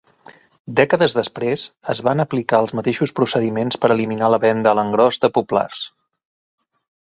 Dècades després, es van aplicar els mateixos procediments per eliminar la venda a l'engròs de Poplars.